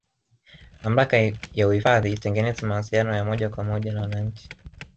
mamlaka ya uhifadhi itengeze mawasiliano ya moja kwa moja na wananchi